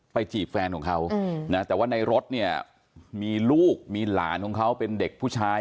จีบแฟนของเขานะแต่ว่าในรถเนี่ยมีลูกมีหลานของเขาเป็นเด็กผู้ชาย